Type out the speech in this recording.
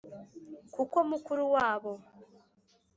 Kuko mukuru wabo